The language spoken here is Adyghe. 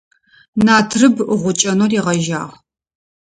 Натрыб гъукӀэнэу ригъэжьагъ.